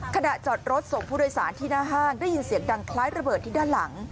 ขณะจอดรถส่งผู้โดยสารที่หน้าห้างได้ยินเสียงดังคล้ายระเบิดที่ด้านหลัง